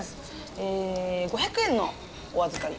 ええ５００円のお預かり。